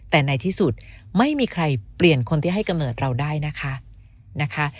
แต่ในที่สุดไม่มีใครเปลี่ยนคนที่ให้กำเนิดเราได้นะคะ